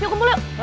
yuk kumpul yuk